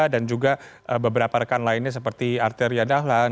dan juga beberapa rekan lainnya seperti arty riyadahlan